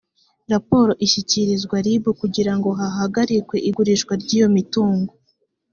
raporo ishyikirizwa ribu kugira ngo hahagarikwe igurishwa ry iyo mitungo